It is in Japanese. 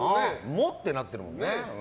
「も」ってなってるもん。